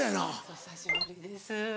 お久しぶりです。